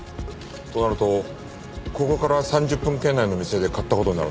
となるとここから３０分圏内の店で買った事になるな。